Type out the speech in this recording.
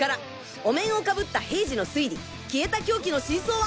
お面をかぶった平次の推理消えた凶器の真相は？